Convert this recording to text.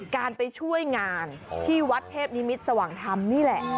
การไปช่วยงานที่วัดเทพนิมิตรสว่างธรรมนี่แหละ